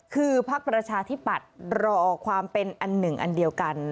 คือพักประชาธิปัตย์รอความเป็นอันหนึ่งอันเดียวกัน